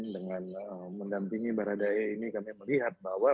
dengan mendampingi barada e ini kami melihat bahwa